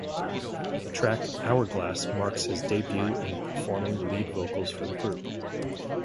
The track "Hourglass" marks his debut in performing lead vocals for the group.